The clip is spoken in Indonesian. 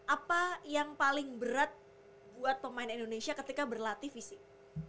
apa yang paling berat buat pemain indonesia ketika berlatih fisik